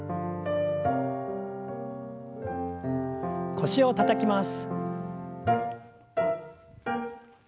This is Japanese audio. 腰をたたきます。